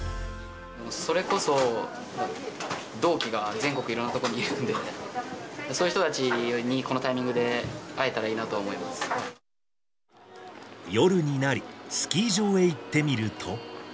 それこそ、同期が全国いろんな所にいるんで、そういう人たちに、このタイミン夜になり、スキー場へ行ってみると。